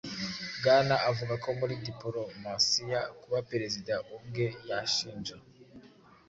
Bwana avuga ko muri dipolimasiya kuba perezida ubwe yashinja